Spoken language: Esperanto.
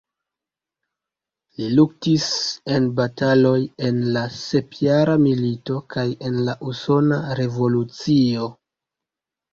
Li luktis en bataloj en la Sepjara milito kaj en la Usona revolucio.